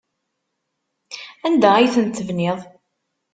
Anda ay tent-tebniḍ?